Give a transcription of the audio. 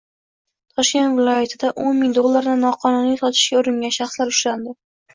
Toshkent viloyatidao´nming dollarni noqonuniy sotishga uringan shaxslar ushlandi